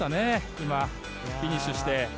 今、フィニッシュして。